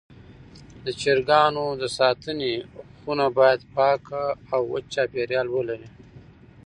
د چرګانو د ساتنې خونه باید پاکه او وچ چاپېریال ولري.